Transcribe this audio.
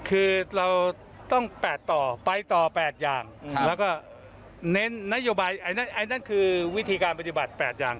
คือเราต้อง๘ต่อไปต่อ๘อย่างแล้วก็เน้นนโยบายอันนั้นคือวิธีการปฏิบัติ๘อย่าง